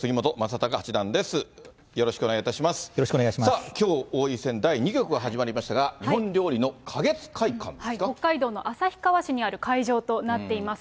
さあ、きょう、王位戦第２局が始まりましたが、北海道の旭川市にある会場となっています。